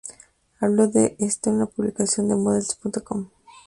Habló de esto en una publicación de Models.com.